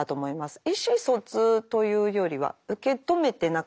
意思疎通というよりは受け止めてなかった。